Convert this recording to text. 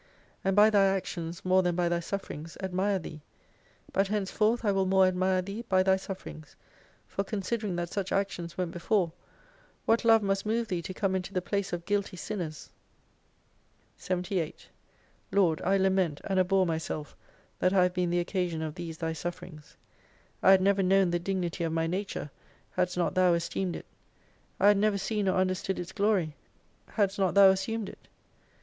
And by Thy actions more than by Thy sufferings admire Thee. But henceforth I will more admire Thee by Thy sufferings ; for considering that such actions went before ; what love must move Thee to come into the place of guilty Sinners ! 57 78 Lord I lament and abhor myself that I have been the occasion of these Thy sufferings. I had never known the dignity of my nature, hadst not Thou esteemed it : I had never seen or understood its glory, hadst not Thou assumed it.